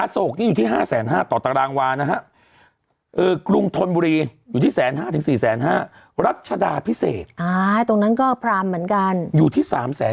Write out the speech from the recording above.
อโศกนี่อยู่ที่๕๕๐๐ต่อตรางวานะฮะกรุงทนบุรีอยู่ที่๑๕๐๐๔๕๐๐รัชดาพิเศษอยู่ที่๓๕๐๐๔๕๐๐